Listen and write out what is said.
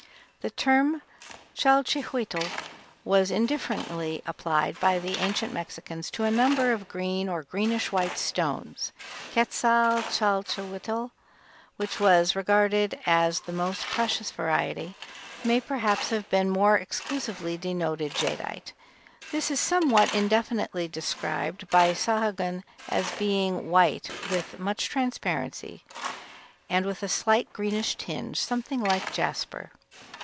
The term chalchihuitl was indifferently applied by the ancient Mexicans to a number of green or greenish white stones; quetzal chalchihuitl, which was regarded as the most precious variety, may perhaps have more exclusively denoted jadeite. This is somewhat indefinitely described by Sahagun as being "white, with much transparency, and with a slight greenish tinge, something like jasper."